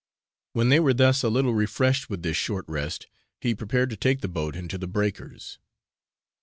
When they were thus a little refreshed with this short rest, he prepared to take the boat into the breakers.